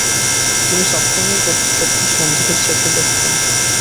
তিনি সব সময়ই কর্তৃপক্ষদের সন্দেহের চোখে দেখতেন।